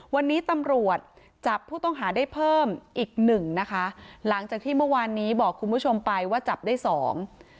วันนี้ตำรวจจับผู้ต้องหาได้เพิ่มอีกหนึ่งนะคะหลังจากที่เมื่อวานนี้บอกคุณผู้ชมไปว่าจับได้สอง